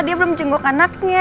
dia belum jenggok anaknya